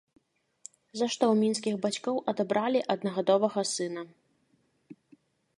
За што ў мінскіх бацькоў адабралі аднагадовага сына.